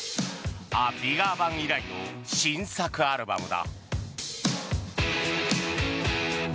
「ア・ビガー・バン」以来の新作アルバムだ。